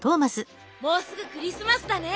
もうすぐクリスマスだね。